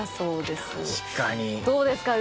どうですか？